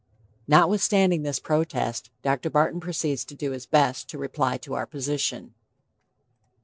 Notwithstanding this protest, Dr. Barton proceeds to do his best to reply to our position.